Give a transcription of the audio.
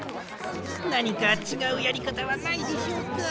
なにかちがうやりかたはないでしょうか？